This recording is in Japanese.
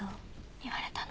言われたの。